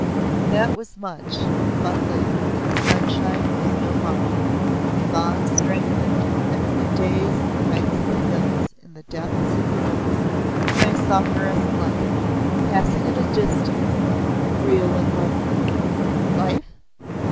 That was much, but later, the sunshine was no bar, the bond strengthened and there have been days in the heights of the hills, in the depths of the woods, when I saw her as in life, passing at a distance, but real and lovely. Life?